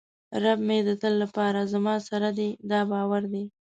رب مې د تل لپاره زما سره دی دا باور دی.